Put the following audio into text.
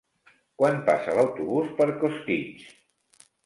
Quan passa l'autobús per Costitx?